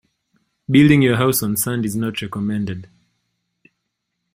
Building your house on sand is not recommended.